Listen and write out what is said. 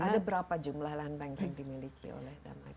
ada berapa jumlah land bank yang dimiliki oleh damai